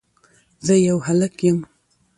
زه يو هلک يم